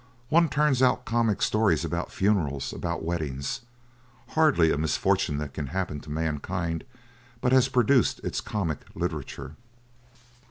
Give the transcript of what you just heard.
One turns out comic stories about funerals, about weddings. Hardly a misfortune that can happen to mankind but has produced its comic literature.